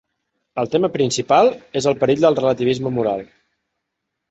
El tema principal és el perill del relativisme moral.